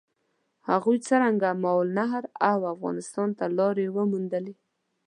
هغوی څرنګه ماورالنهر او افغانستان ته لارې وموندلې؟